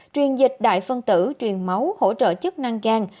truyền dịch đại phân tử truyền máu hỗ trợ chức năng gan